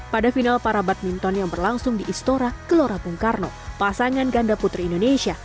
pada final para badminton yang berlangsung di istora kelora bung karno pasangan ganda putri indonesia